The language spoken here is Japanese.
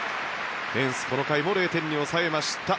エンス、この回も０点に抑えました。